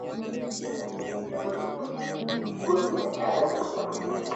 Ugonjwa wa kuhara hushambulia mbuzi na kondoo